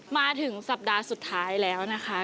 มาถึงสัปดาห์สุดท้ายแล้วนะคะ